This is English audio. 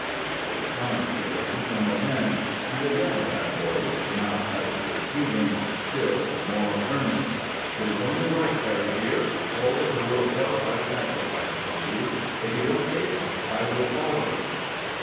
_" There was silence again from within; and again that voice, now touched with pleading still more earnest: "It is only right, Harry dear; all that the world held I sacrificed for you. If you don't take me, I will follow you!"